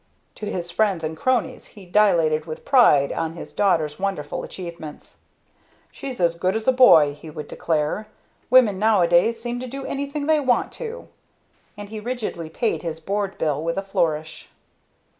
To his friends and cronies he dilated with pride on his daughter's wonderful achievements. "She's as good as a boy!" he would declare. "Women nowadays seem to do anything they want to!" And he rigidly paid his board bill with a flourish.